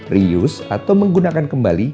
reuse atau menggunakan kembali